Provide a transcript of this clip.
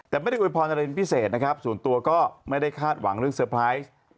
แต่ไม่ได้อวยพรอะไรเป็นพิเศษนะครับส่วนตัวก็ไม่ได้คาดหวังเรื่องเตอร์ไพรส์